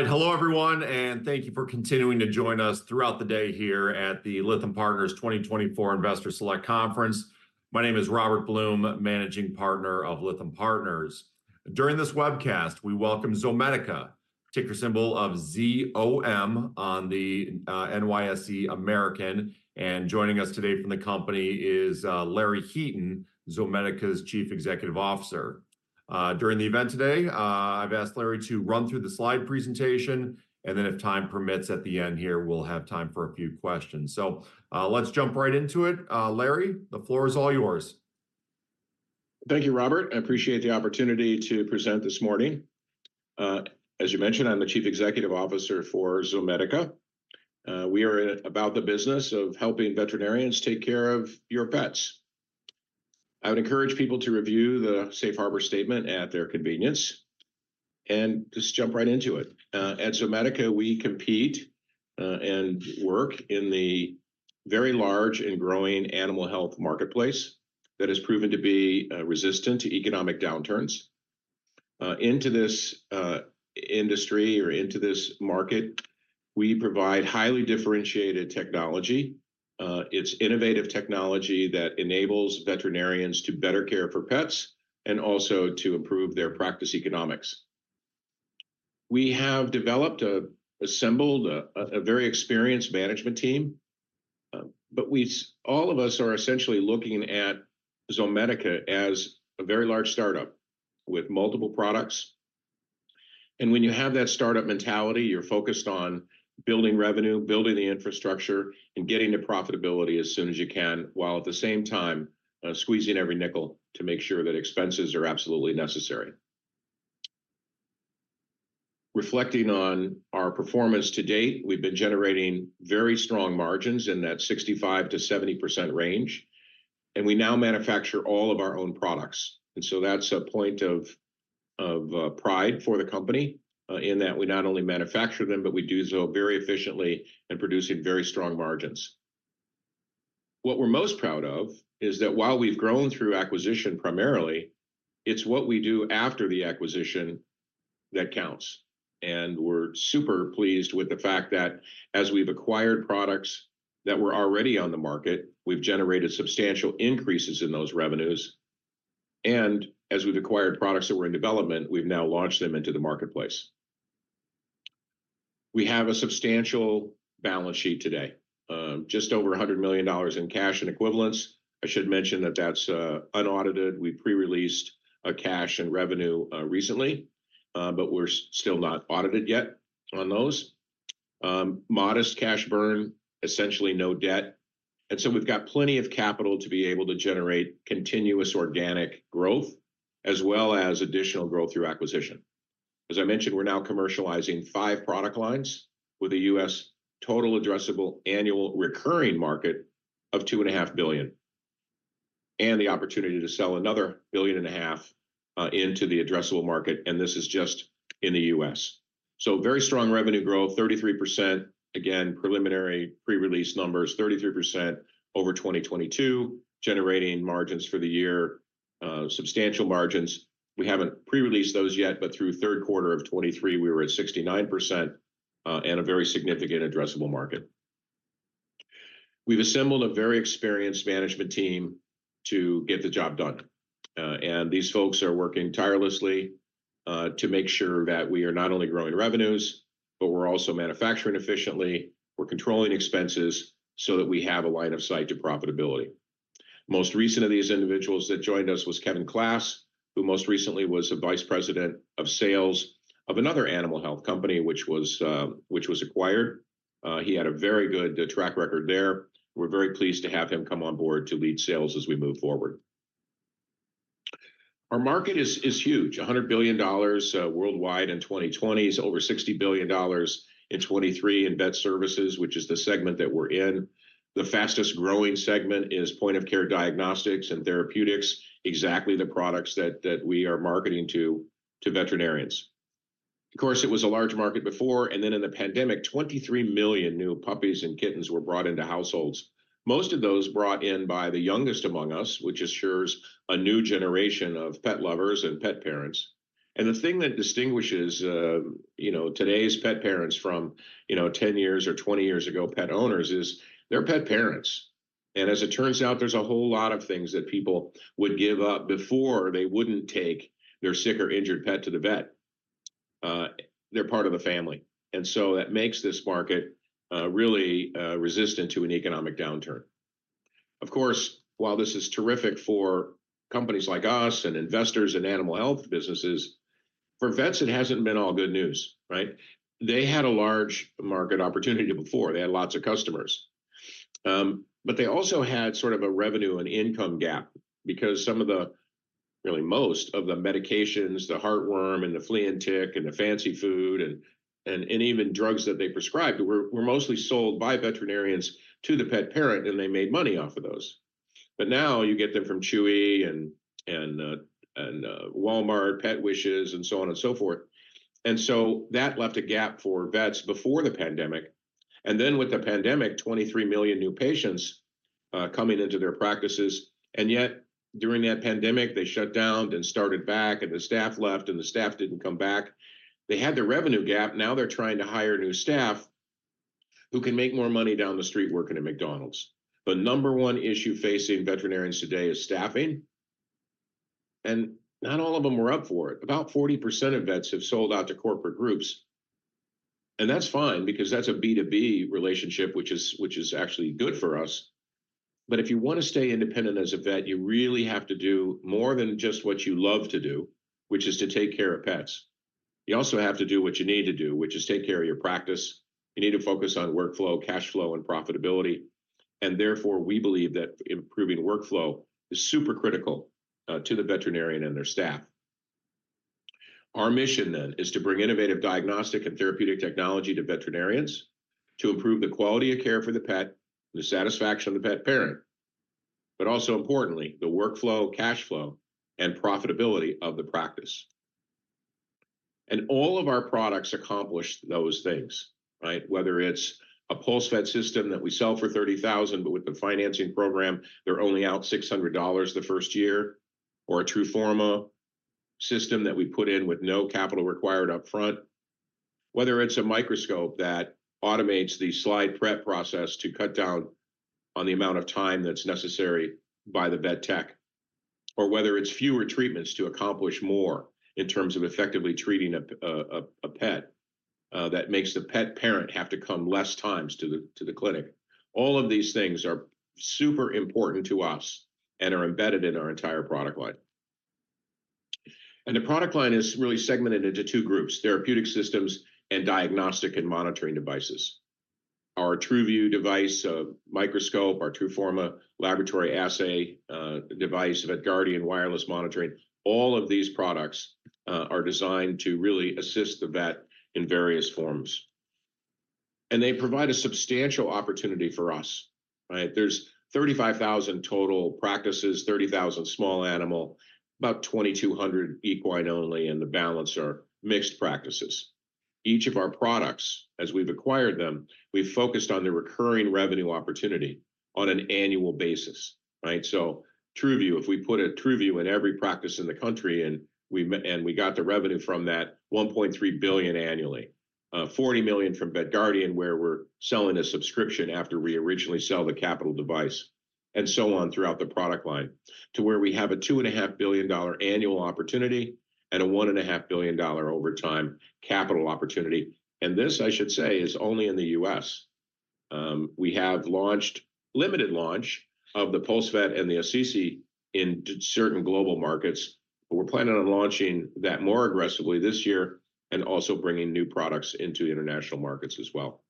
All right. Hello, everyone, and thank you for continuing to join us throughout the day here at the Lytham Partners 2024 Investor Select Conference. My name is Robert Blum, Managing Partner of Lytham Partners. During this webcast, we welcome Zomedica, ticker symbol ZOM on the NYSE American. And joining us today from the company is Larry Heaton, Zomedica's Chief Executive Officer. During the event today, I've asked Larry to run through the slide presentation, and then if time permits at the end here, we'll have time for a few questions. So, let's jump right into it. Larry, the floor is all yours. Thank you, Robert. I appreciate the opportunity to present this morning. As you mentioned, I'm the Chief Executive Officer for Zomedica. We are about the business of helping veterinarians take care of your pets. I would encourage people to review the safe harbor statement at their convenience and just jump right into it. At Zomedica, we compete and work in the very large and growing animal health marketplace that has proven to be resistant to economic downturns. Into this industry or into this market, we provide highly differentiated technology. It's innovative technology that enables veterinarians to better care for pets and also to improve their practice economics. We have assembled a very experienced management team, but all of us are essentially looking at Zomedica as a very large startup with multiple products. When you have that startup mentality, you're focused on building revenue, building the infrastructure, and getting to profitability as soon as you can, while at the same time, squeezing every nickel to make sure that expenses are absolutely necessary. Reflecting on our performance to date, we've been generating very strong margins in that 65%-70% range, and we now manufacture all of our own products. And so that's a point of pride for the company, in that we not only manufacture them, but we do so very efficiently and producing very strong margins. What we're most proud of is that while we've grown through acquisition, primarily, it's what we do after the acquisition that counts, and we're super pleased with the fact that as we've acquired products that were already on the market, we've generated substantial increases in those revenues. As we've acquired products that were in development, we've now launched them into the marketplace. We have a substantial balance sheet today, just over $100 million in cash and equivalents. I should mention that that's unaudited. We pre-released a cash and revenue recently, but we're still not audited yet on those. Modest cash burn, essentially no debt, and so we've got plenty of capital to be able to generate continuous organic growth, as well as additional growth through acquisition. As I mentioned, we're now commercializing five product lines with a U.S. total addressable annual recurring market of $2.5 billion, and the opportunity to sell another $1.5 billion into the addressable market, and this is just in the U.S. So very strong revenue growth, 33%. Again, preliminary pre-release numbers, 33% over 2022, generating margins for the year, substantial margins. We haven't pre-released those yet, but through third quarter of 2023, we were at 69%, and a very significant addressable market. We've assembled a very experienced management team to get the job done, and these folks are working tirelessly to make sure that we are not only growing revenues, but we're also manufacturing efficiently, we're controlling expenses so that we have a line of sight to profitability. Most recent of these individuals that joined us was Kevin Klass, who most recently was Vice President of Sales of another animal health company, which was acquired. He had a very good track record there. We're very pleased to have him come on board to lead sales as we move forward. Our market is huge, $100 billion worldwide in 2020. It's over $60 billion in 2023 in vet services, which is the segment that we're in. The fastest growing segment is point-of-care diagnostics and therapeutics, exactly the products that we are marketing to veterinarians. Of course, it was a large market before, and then in the pandemic, 23 million new puppies and kittens were brought into households. Most of those brought in by the youngest among us, which assures a new generation of pet lovers and pet parents. And the thing that distinguishes, you know, today's pet parents from, you know, 10 years or 20 years ago, pet owners is they're pet parents. And as it turns out, there's a whole lot of things that people would give up before they wouldn't take their sick or injured pet to the vet. They're part of the family, and so that makes this market really resistant to an economic downturn. Of course, while this is terrific for companies like us and investors in animal health businesses, for vets, it hasn't been all good news, right? They had a large market opportunity before. They had lots of customers. But they also had sort of a revenue and income gap because some of the really most of the medications, the heartworm and the flea and tick and the fancy food and even drugs that they prescribed were mostly sold by veterinarians to the pet parent, and they made money off of those. But now you get them from Chewy and Walmart, PetSmart, and so on and so forth. And so that left a gap for vets before the pandemic. And then with the pandemic, 23 million new patients coming into their practices, and yet during that pandemic, they shut down, then started back, and the staff left, and the staff didn't come back. They had the revenue gap, now they're trying to hire new staff who can make more money down the street working at McDonald's. The number one issue facing veterinarians today is staffing, and not all of them are up for it. About 40% of vets have sold out to corporate groups, and that's fine because that's a B2B relationship, which is, which is actually good for us. But if you wanna stay independent as a vet, you really have to do more than just what you love to do, which is to take care of pets. You also have to do what you need to do, which is take care of your practice. You need to focus on workflow, cash flow, and profitability, and therefore, we believe that improving workflow is super critical to the veterinarian and their staff. Our mission then is to bring innovative diagnostic and therapeutic technology to veterinarians to improve the quality of care for the pet, the satisfaction of the pet parent, but also importantly, the workflow, cash flow, and profitability of the practice. All of our products accomplish those things, right? Whether it's a PulseVet system that we sell for $30,000, but with the financing program, they're only out $600 the first year, or a TRUFORMA system that we put in with no capital required upfront. Whether it's a microscope that automates the slide prep process to cut down on the amount of time that's necessary by the vet tech, or whether it's fewer treatments to accomplish more in terms of effectively treating a pet, that makes the pet parent have to come less times to the, to the clinic. All of these things are super important to us and are embedded in our entire product line. The product line is really segmented into two groups: therapeutic systems and diagnostic and monitoring devices. Our TRUVIEW device, microscope, our TRUFORMA laboratory assay, device, VetGuardian wireless monitoring, all of these products, are designed to really assist the vet in various forms, and they provide a substantial opportunity for us, right? There's 35,000 total practices, 30,000 small animal, about 2,200 equine only, and the balance are mixed practices. Each of our products, as we've acquired them, we've focused on the recurring revenue opportunity on an annual basis, right? So TRUVIEW, if we put a TRUVIEW in every practice in the country, and we got the revenue from that, $1.3 billion annually. $40 million from VetGuardian, where we're selling a subscription after we originally sell the capital device, and so on throughout the product line, to where we have a $2.5 billion annual opportunity and a $1.5 billion overtime capital opportunity. And this, I should say, is only in the U.S. We have launched limited launch of the PulseVet and the Assisi in certain global markets, but we're planning on launching that more aggressively this year and also bringing new products into international markets as well.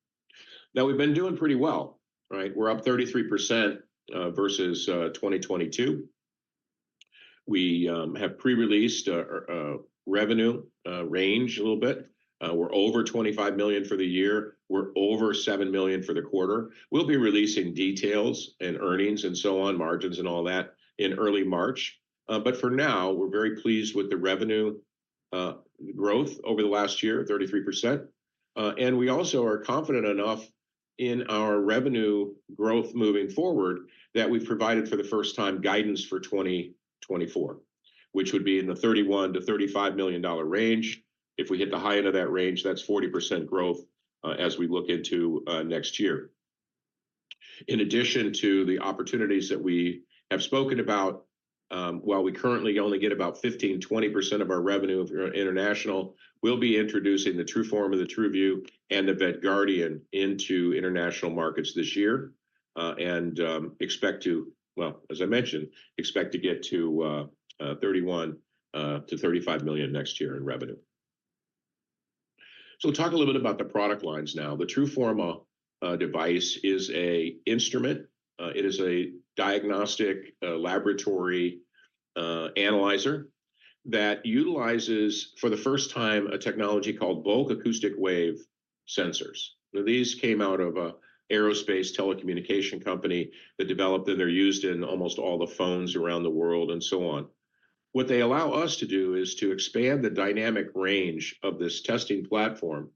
Now, we've been doing pretty well, right? We're up 33% versus 2022. We have pre-released our revenue range a little bit. We're over $25 million for the year. We're over $7 million for the quarter. We'll be releasing details and earnings and so on, margins and all that, in early March. But for now, we're very pleased with the revenue growth over the last year, 33%. And we also are confident enough in our revenue growth moving forward that we've provided for the first time guidance for 2024, which would be in the $31-$35 million range. If we hit the high end of that range, that's 40% growth as we look into next year. In addition to the opportunities that we have spoken about, while we currently only get about 15%-20% of our revenue from international, we'll be introducing the TRUFORMA, the TRUVIEW, and the VetGuardian into international markets this year. Expect to get to $31 million-$35 million next year in revenue. So talk a little bit about the product lines now. The TRUFORMA device is an instrument. It is a diagnostic laboratory analyzer that utilizes, for the first time, a technology called bulk acoustic wave sensors. Now, these came out of an aerospace telecommunication company that developed them. They're used in almost all the phones around the world and so on. What they allow us to do is to expand the dynamic range of this testing platform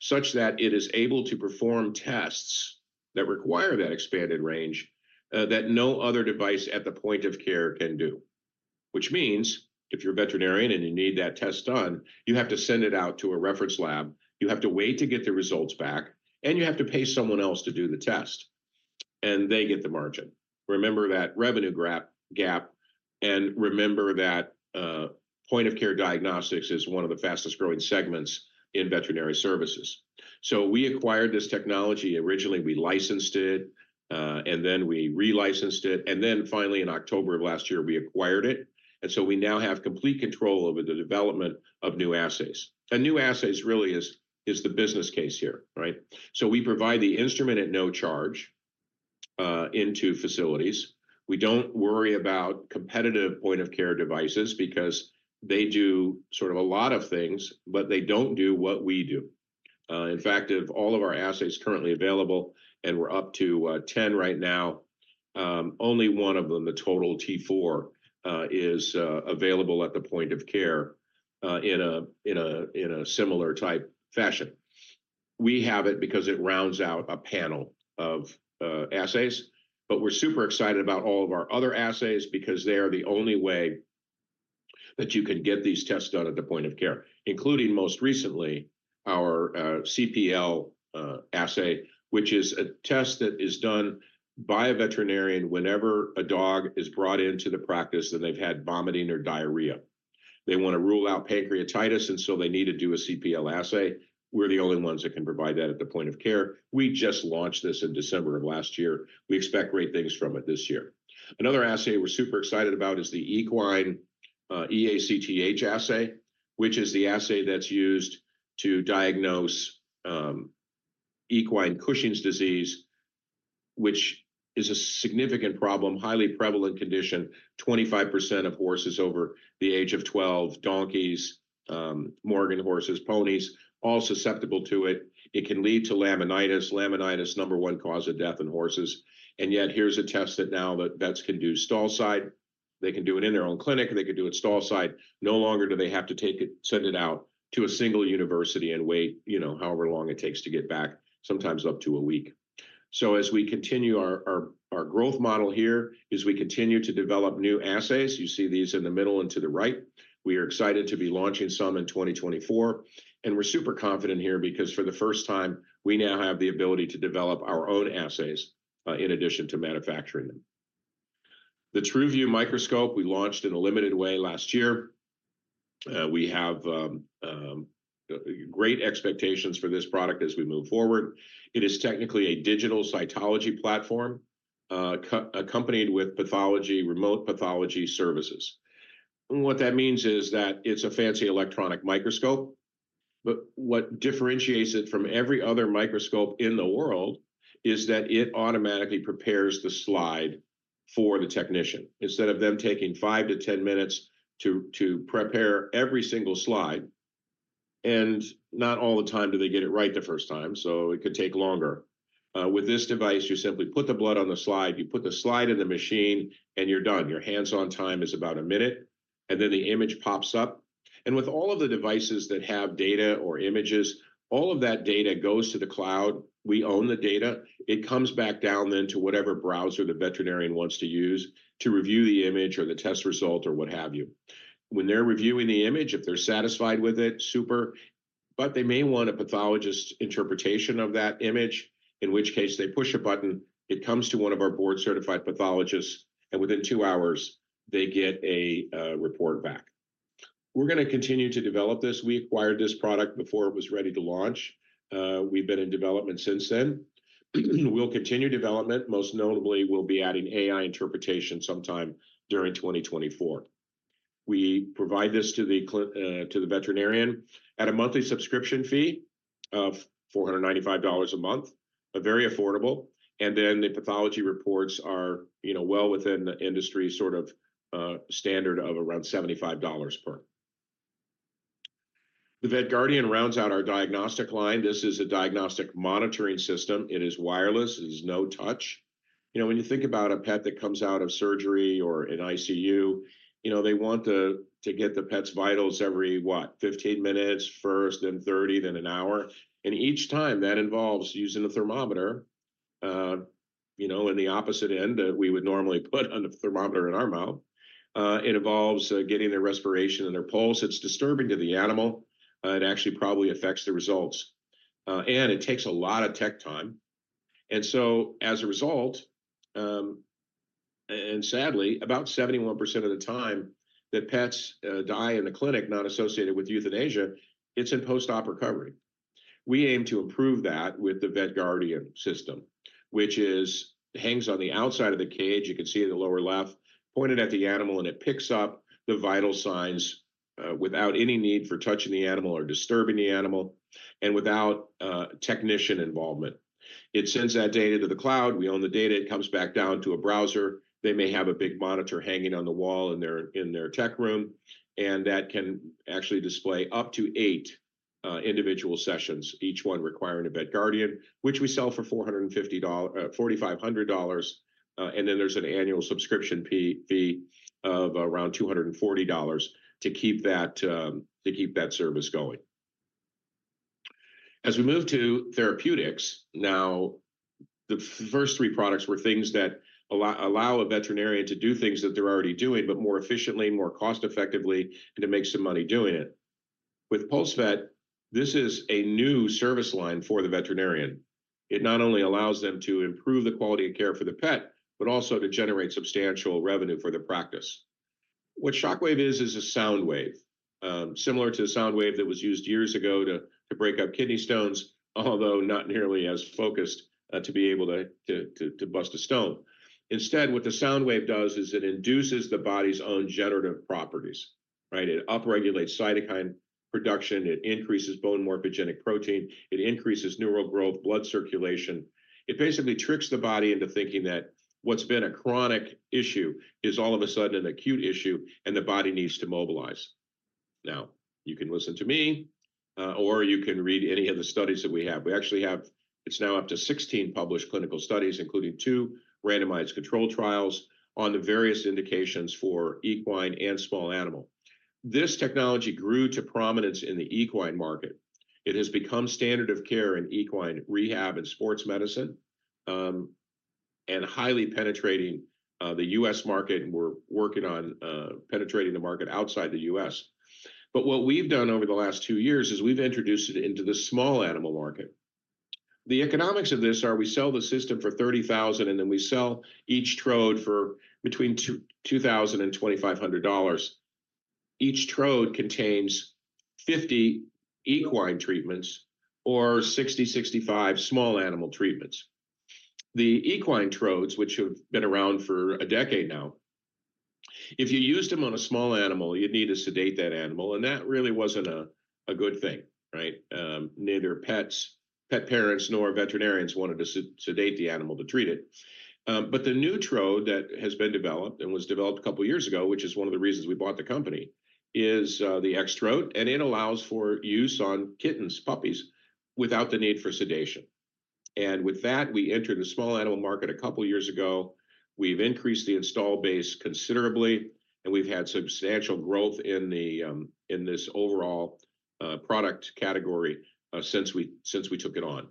such that it is able to perform tests that require that expanded range, that no other device at the point of care can do. Which means if you're a veterinarian and you need that test done, you have to send it out to a reference lab, you have to wait to get the results back, and you have to pay someone else to do the test, and they get the margin. Remember that revenue gap, and remember that point-of-care diagnostics is one of the fastest-growing segments in veterinary services. So we acquired this technology. Originally, we licensed it, and then we re-licensed it, and then finally in October of last year, we acquired it. And so we now have complete control over the development of new assays. New assays really is the business case here, right? We provide the instrument at no charge into facilities. We don't worry about competitive point-of-care devices because they do sort of a lot of things, but they don't do what we do. In fact, of all of our assays currently available, and we're up to 10 right now, only one of them, the Total T4, is available at the point of care in a similar type fashion. We have it because it rounds out a panel of assays, but we're super excited about all of our other assays because they are the only way that you can get these tests done at the point of care, including most recently our cPL assay, which is a test that is done by a veterinarian whenever a dog is brought into the practice, and they've had vomiting or diarrhea. They wanna rule out pancreatitis, and so they need to do a cPL assay. We're the only ones that can provide that at the point of care. We just launched this in December of last year. We expect great things from it this year. Another assay we're super excited about is the equine eACTH assay, which is the assay that's used to diagnose equine Cushing's disease, which is a significant problem, highly prevalent condition. 25% of horses over the age of 12, donkeys, Morgan horses, ponies, all susceptible to it. It can lead to laminitis. Laminitis, number one cause of death in horses, and yet, here's a test that now that vets can do stall side, they can do it in their own clinic, they can do it stall side. No longer do they have to take it- send it out to a single university and wait, you know, however long it takes to get back, sometimes up to a week. So as we continue our growth model here, as we continue to develop new assays, you see these in the middle and to the right, we are excited to be launching some in 2024, and we're super confident here because for the first time, we now have the ability to develop our own assays, in addition to manufacturing them. The TRUVIEW microscope we launched in a limited way last year. We have great expectations for this product as we move forward. It is technically a digital cytology platform, accompanied with pathology, remote pathology services. What that means is that it's a fancy electronic microscope, but what differentiates it from every other microscope in the world is that it automatically prepares the slide for the technician, instead of them taking five-10 minutes to prepare every single slide, and not all the time do they get it right the first time, so it could take longer. With this device, you simply put the blood on the slide, you put the slide in the machine, and you're done. Your hands-on time is about a minute, and then the image pops up, and with all of the devices that have data or images, all of that data goes to the cloud. We own the data. It comes back down then to whatever browser the veterinarian wants to use to review the image or the test result or what have you. When they're reviewing the image, if they're satisfied with it, super, but they may want a pathologist's interpretation of that image, in which case, they push a button, it comes to one of our board-certified pathologists, and within two hours, they get a report back. We're gonna continue to develop this. We acquired this product before it was ready to launch. We've been in development since then. We'll continue development. Most notably, we'll be adding AI interpretation sometime during 2024. We provide this to the veterinarian at a monthly subscription fee of $495 a month, a very affordable, and then the pathology reports are, you know, well within the industry, sort of, standard of around $75 per. The VetGuardian rounds out our diagnostic line. This is a diagnostic monitoring system. It is wireless. It is no-touch. You know, when you think about a pet that comes out of surgery or an ICU, you know, they want to get the pet's vitals every what? 15 minutes first, then 30, then an hour, and each time, that involves using a thermometer, you know, in the opposite end that we would normally put on a thermometer in our mouth. It involves getting their respiration and their pulse. It's disturbing to the animal, it actually probably affects the results, and it takes a lot of tech time, and so as a result, and sadly, about 71% of the time that pets die in a clinic not associated with euthanasia, it's in post-op recovery. We aim to improve that with the VetGuardian system, which hangs on the outside of the cage. You can see in the lower left, pointed at the animal, and it picks up the vital signs without any need for touching the animal or disturbing the animal, and without technician involvement. It sends that data to the cloud. We own the data. It comes back down to a browser. They may have a big monitor hanging on the wall in their tech room, and that can actually display up to eight individual sessions, each one requiring a VetGuardian, which we sell for $4,500, and then there's an annual subscription fee of around $240 to keep that service going. As we move to therapeutics, now, the first three products were things that allow a veterinarian to do things that they're already doing, but more efficiently, more cost effectively, and to make some money doing it. With PulseVet, this is a new service line for the veterinarian. It not only allows them to improve the quality of care for the pet, but also to generate substantial revenue for the practice. What Shockwave is, is a sound wave, similar to the sound wave that was used years ago to break up kidney stones, although not nearly as focused, to be able to bust a stone. Instead, what the sound wave does is it induces the body's own generative properties, right? It upregulates cytokine production, it increases bone morphogenic protein, it increases neural growth, blood circulation. It basically tricks the body into thinking that what's been a chronic issue is all of a sudden an acute issue, and the body needs to mobilize. Now, you can listen to me, or you can read any of the studies that we have. We actually have. It's now up to 16 published clinical studies, including two randomized controlled trials on the various indications for equine and small animal. This technology grew to prominence in the equine market. It has become standard of care in equine rehab and sports medicine, and highly penetrating the U.S. market, and we're working on penetrating the market outside the U.S. But what we've done over the last two years is we've introduced it into the small animal market. The economics of this are we sell the system for $30,000, and then we sell each trode for between $2,000 and $2,500. Each trode contains 50 equine treatments or 60-65 small animal treatments. The equine trodes, which have been around for a decade now, if you used them on a small animal, you'd need to sedate that animal, and that really wasn't a good thing, right? Neither pets, pet parents, nor veterinarians wanted to sedate the animal to treat it. But the new trode that has been developed and was developed a couple of years ago, which is one of the reasons we bought the company, is the X-Trode, and it allows for use on kittens, puppies, without the need for sedation. And with that, we entered the small animal market a couple of years ago. We've increased the installed base considerably, and we've had substantial growth in the in this overall product category since we since we took it on.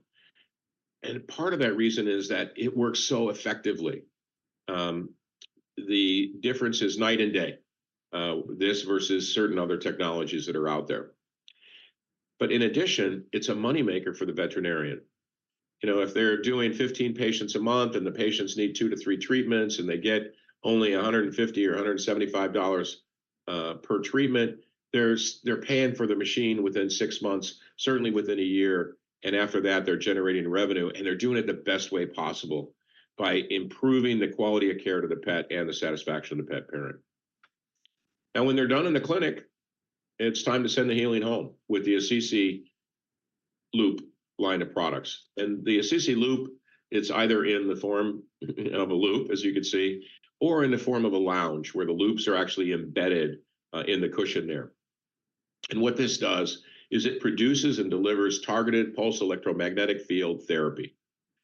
Part of that reason is that it works so effectively. The difference is night and day this versus certain other technologies that are out there. In addition, it's a money maker for the veterinarian. You know, if they're doing 15 patients a month, and the patients need 2-3 treatments, and they get only $150 or $175 per treatment, they're paying for the machine within 6 months, certainly within a year, and after that, they're generating revenue, and they're doing it the best way possible by improving the quality of care to the pet and the satisfaction of the pet parent. When they're done in the clinic, it's time to send the healing home with the Assisi Loop line of products. The Assisi Loop, it's either in the form of a loop, as you can see, or in the form of a lounge, where the loops are actually embedded in the cushion there. What this does is it produces and delivers targeted pulse electromagnetic field therapy,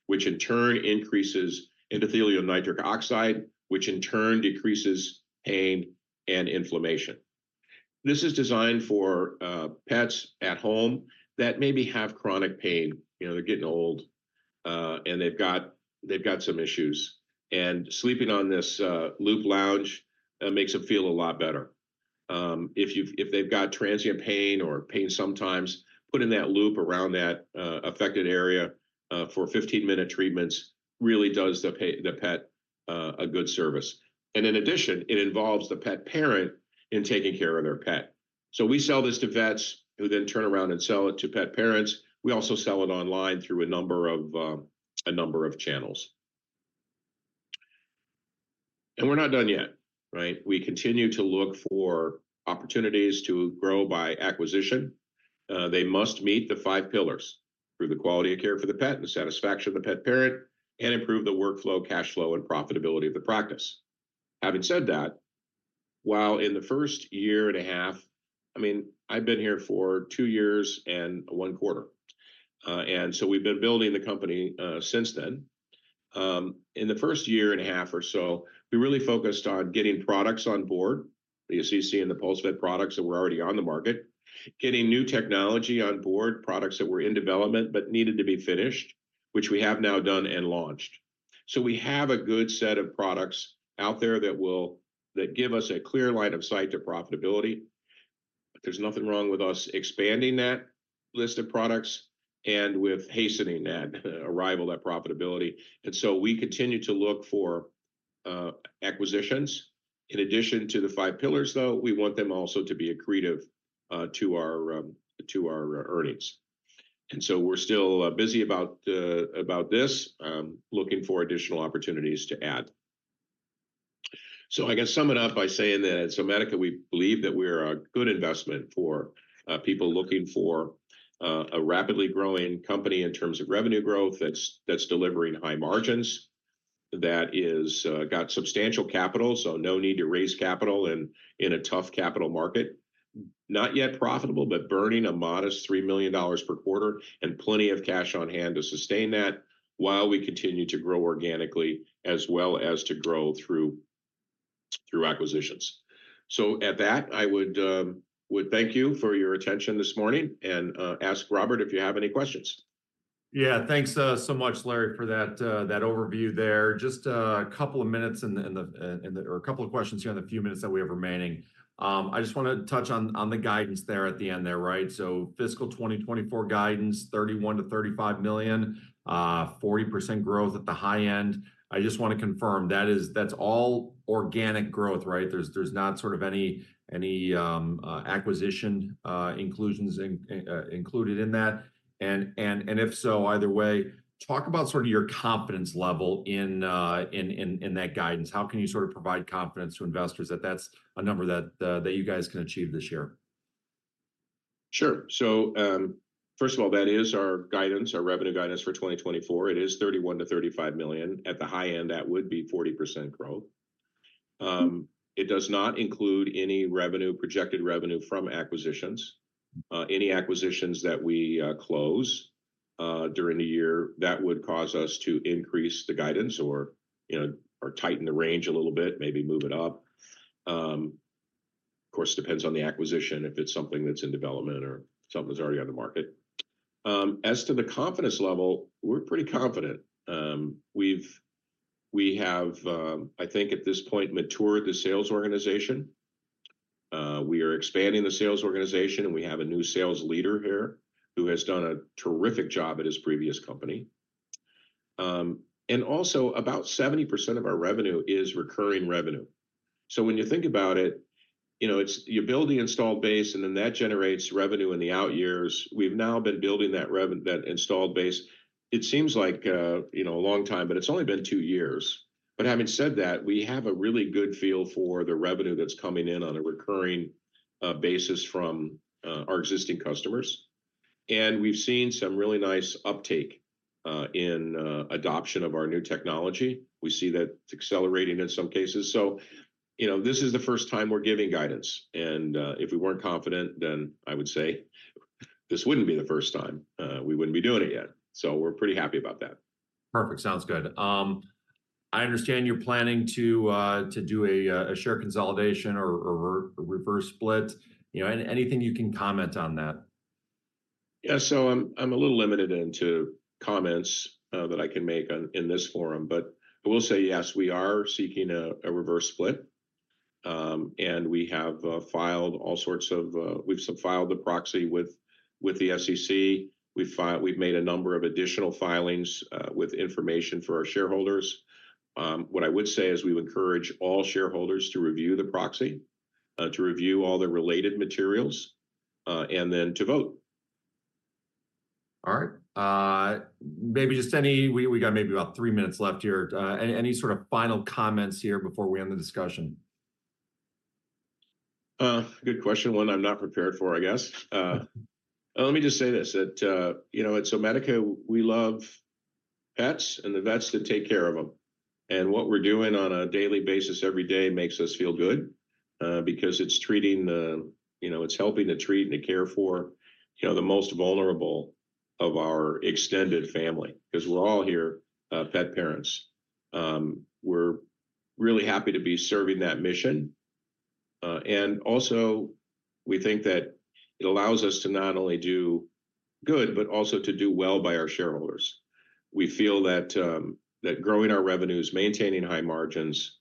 which in turn increases endothelial nitric oxide, which in turn decreases pain and inflammation. This is designed for pets at home that maybe have chronic pain. You know, they're getting old, and they've got, they've got some issues, and sleeping on this Loop Lounge makes them feel a lot better. If they've got transient pain or pain sometimes, putting that loop around that affected area for 15-minute treatments really does the pet a good service. And in addition, it involves the pet parent in taking care of their pet. So we sell this to vets, who then turn around and sell it to pet parents. We also sell it online through a number of a number of channels. And we're not done yet, right? We continue to look for opportunities to grow by acquisition. They must meet the five pillars: improve the quality of care for the pet and the satisfaction of the pet parent, and improve the workflow, cash flow, and profitability of the practice. Having said that, while in the first year and a half. I mean, I've been here for two years and one quarter, and so we've been building the company, since then. In the first year and a half or so, we really focused on getting products on board, the Assisi and the PulseVet products that were already on the market, getting new technology on board, products that were in development but needed to be finished, which we have now done and launched. So we have a good set of products out there that will- that give us a clear line of sight to profitability, but there's nothing wrong with us expanding that list of products and with hastening that arrival at profitability. And so we continue to look for acquisitions. In addition to the five pillars, though, we want them also to be accretive to our to our earnings. And so we're still busy about this, looking for additional opportunities to add. So I can sum it up by saying that at Zomedica, we believe that we are a good investment for people looking for a rapidly growing company in terms of revenue growth, that's delivering high margins, that is got substantial capital, so no need to raise capital in a tough capital market. Not yet profitable, but burning a modest $3 million per quarter and plenty of cash on hand to sustain that while we continue to grow organically, as well as to grow through acquisitions. So at that, I would thank you for your attention this morning and ask Robert if you have any questions. Yeah. Thanks, so much, Larry, for that, that overview there. Just a couple of minutes in the or a couple of questions here in the few minutes that we have remaining. I just wanna touch on the guidance there at the end there, right? So fiscal 2024 guidance, $31 million-$35 million, 40% growth at the high end. I just want to confirm, that is that's all organic growth, right? There's not sort of any acquisition inclusions in- included in that? And if so, either way, talk about sort of your confidence level in that guidance. How can you sort of provide confidence to investors that that's a number that you guys can achieve this year? Sure. So, first of all, that is our guidance, our revenue guidance for 2024. It is $31 million-$35 million. At the high end, that would be 40% growth. It does not include any revenue, projected revenue from acquisitions. Any acquisitions that we close during the year, that would cause us to increase the guidance or, you know, or tighten the range a little bit, maybe move it up. Of course, depends on the acquisition, if it's something that's in development or something that's already on the market. As to the confidence level, we're pretty confident. We've, we have, I think at this point, matured the sales organization. We are expanding the sales organization, and we have a new sales leader here who has done a terrific job at his previous company. And also, about 70% of our revenue is recurring revenue. So when you think about it, you know, it's, you build the installed base, and then that generates revenue in the out years. We've now been building that installed base, it seems like, you know, a long time, but it's only been two years. But having said that, we have a really good feel for the revenue that's coming in on a recurring basis from our existing customers, and we've seen some really nice uptake in adoption of our new technology. We see that accelerating in some cases. So, you know, this is the first time we're giving guidance, and if we weren't confident, then I would say this wouldn't be the first time we wouldn't be doing it yet. So we're pretty happy about that. Perfect. Sounds good. I understand you're planning to do a share consolidation or reverse split. You know, anything you can comment on that? Yeah. So I'm a little limited into comments that I can make on in this forum, but I will say, yes, we are seeking a reverse split. And we have filed all sorts of we've filed the proxy with the SEC. We've made a number of additional filings with information for our shareholders. What I would say is we would encourage all shareholders to review the proxy, to review all the related materials, and then to vote. All right. Maybe just any, we got maybe about three minutes left here. Any sort of final comments here before we end the discussion? Good question. One I'm not prepared for, I guess. Let me just say this, that, you know, at Zomedica, we love pets and the vets that take care of them. And what we're doing on a daily basis every day makes us feel good, because it's treating the, you know, it's helping to treat and to care for, you know, the most vulnerable of our extended family, 'cause we're all here, pet parents. We're really happy to be serving that mission. And also we think that it allows us to not only do good, but also to do well by our shareholders. We feel that that growing our revenues, maintaining high margins,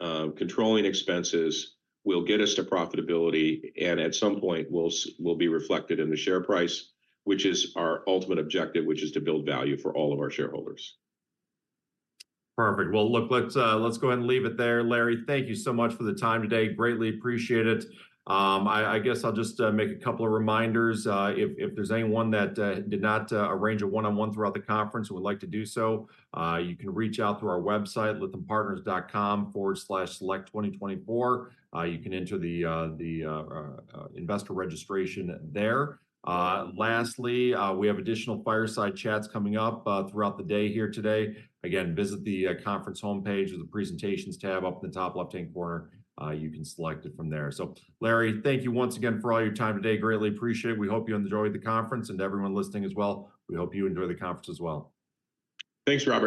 controlling expenses, will get us to profitability, and at some point, will be reflected in the share price, which is our ultimate objective, which is to build value for all of our shareholders. Perfect. Well, look, let's go ahead and leave it there. Larry, thank you so much for the time today. Greatly appreciate it. I guess I'll just make a couple of reminders. If there's anyone that did not arrange a one-on-one throughout the conference and would like to do so, you can reach out through our website lythampartners.com/select2024. You can enter the investor registration there. Lastly, we have additional fireside chats coming up throughout the day here today. Again, visit the conference homepage or the Presentations tab up in the top left-hand corner. You can select it from there. So, Larry, thank you once again for all your time today. Greatly appreciate it. We hope you enjoy the conference, and everyone listening as well, we hope you enjoy the conference as well. Thanks, Robert.